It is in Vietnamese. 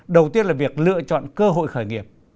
đầu tiên là việc lựa chọn cơ hội khởi nghiệp